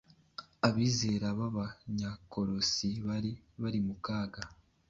abizera b’Abanyakolosi bari bari mu kaga